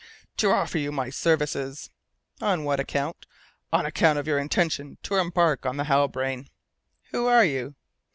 "To offer you my services." "On what account?" "On account of your intention to embark on the Halbrane." "Who are you?"